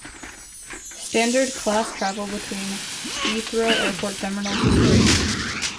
Standard-class travel between Heathrow Airport terminals is free.